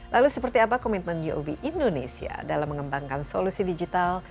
lalu seperti apa komitmen uob indonesia dalam mengembangkan solusi digital